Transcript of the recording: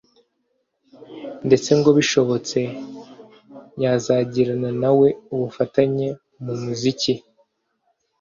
ndetse ngo bishobotse yazagirana na we ubufatanye mu muziki